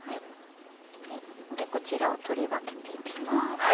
こちらを取り分けていきます。